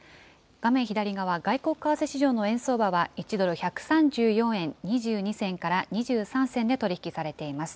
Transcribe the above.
画面左側、外国為替市場の円相場は、１ドル１３４円２２銭から２３銭で取り引きされています。